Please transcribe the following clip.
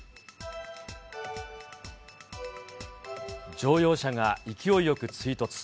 乗用車が勢いよく追突。